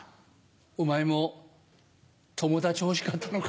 お前も友達欲しかったのか？